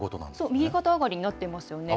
右肩上がりになっていますよね。